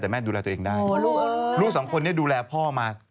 แต่แม่ดูแลตัวเองได้ลูกสองคนนี้ดูแลพ่อมา